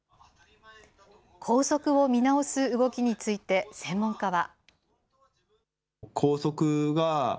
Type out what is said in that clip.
校則を見直す動きについて、専門家は。